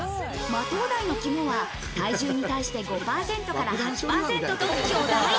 マトウダイの肝は体重に対して５％から８％と巨大。